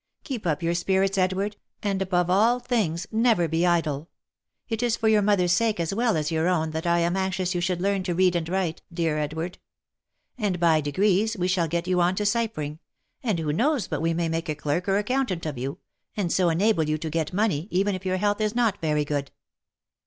Keep up your spirits, Edward, and, above all things, never be idle. It is for your mother's sake as well as your own that I am so anxious you should learn to read and write, dear Edward — and by degrees we shall get you on to ciphering, and who knows but we may make a clerk or accountant of you, and so enable you to get money, even if your health is not very good."